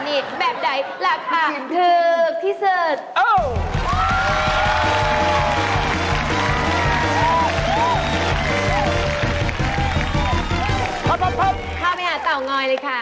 เข้าไปหาเตางอยเลยค่ะ